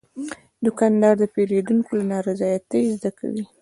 دوکاندار د پیرودونکو له نارضایتۍ زده کوي.